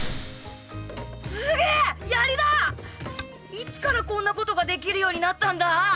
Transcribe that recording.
いつからこんなことができるようになったんだ